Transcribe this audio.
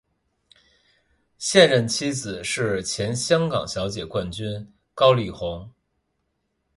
现任妻子是前香港小姐冠军高丽虹。